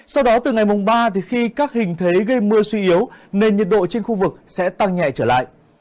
sau đó từ ngày mùng ba khi các hình thế gây mưa suy yếu nền nhiệt độ trên khu vực sẽ tăng nhẹ trở lại